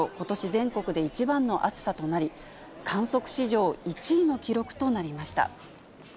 全国で一番の暑さとなり、観測史上１位の記録となりました。